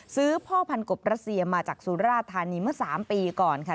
พ่อพันกบรัสเซียมาจากสุราธานีเมื่อ๓ปีก่อนค่ะ